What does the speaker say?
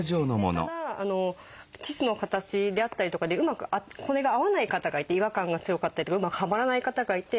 ただ腟の形であったりとかでうまくこれが合わない方がいて違和感が強かったりとかうまくはまらない方がいて。